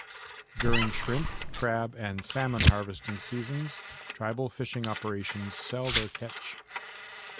During shrimp, crab, and salmon harvesting seasons, tribal fishing operations sell their fresh catch.